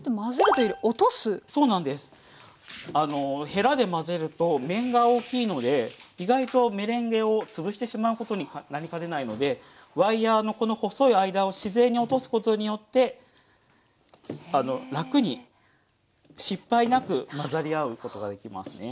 へらで混ぜると面が大きいので意外とメレンゲを潰してしまうことになりかねないのでワイヤーのこの細い間を自然に落とすことによってあの楽に失敗なく混ざり合うことができますね。